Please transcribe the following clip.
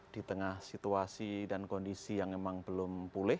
di tengah situasi dan kondisi yang memang belum pulih